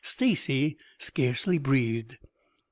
Stacy scarcely breathed.